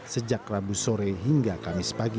sejak rabu sore hingga kamis pagi